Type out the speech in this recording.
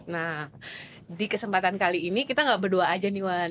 nah di kesempatan kali ini kita nggak berdua aja nih owen